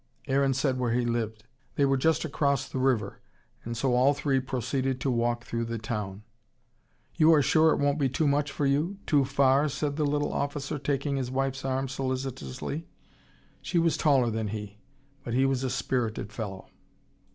Aaron said where he lived. They were just across the river. And so all three proceeded to walk through the town. "You are sure it won't be too much for you too far?" said the little officer, taking his wife's arm solicitously. She was taller than he. But he was a spirited fellow.